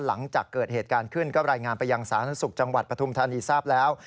หลังจากเกิดเหตุการณ์ขึ้นก็รายงานไปยังสาธารณสุขจังหวัดปฐุมธานีทราบแล้ว